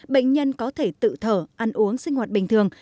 bệnh nhân có thể tự thở ăn uống sinh hoạt bình thường